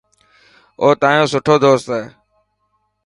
او تايون سٺو دوست هي.